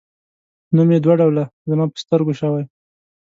نوم یې دوه ډوله زما په سترګو شوی.